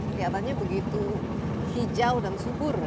kelihatannya begitu hijau dan subur